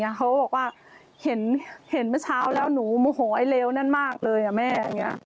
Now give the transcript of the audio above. เขาบอกว่าเห็นเมื่อเช้าแล้วหนูโมโหไอ้เลวนั่นมากเลยแม่อย่างนี้